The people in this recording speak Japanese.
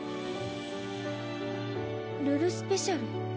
ルルスペシャル。